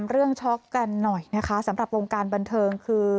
เรื่องช็อกกันหน่อยนะคะสำหรับวงการบันเทิงคือ